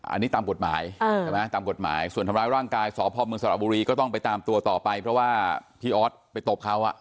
อันนี้ตามกฎหมายส่วนทำร้ายร่างกายสพเมืองสระบุรีก็ต้องไปตามตัวต่อไปเพราะว่าพี่อ๊อตไปตบเขาอ่ะ